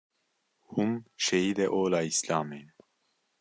hûn şehîdê ola Îslamê ne